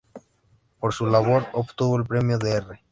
Por su labor, obtuvo el premio Dr.